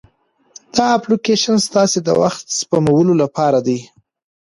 دا اپلیکیشن ستاسو د وخت سپمولو لپاره دی.